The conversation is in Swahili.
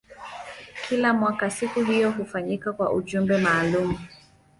Kila mwaka siku hiyo hufanyika kwa ujumbe maalumu.